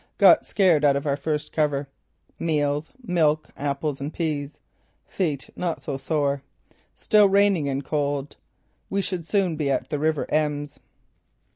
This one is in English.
Got scared out of our first cover. Meals: Milk, apples and peas. Feet not so sore. Still raining and cold. We should soon be at the River Ems."